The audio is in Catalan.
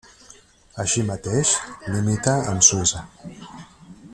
Així mateix, limita amb Suïssa.